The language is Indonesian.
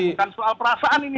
bukan soal perasaan ini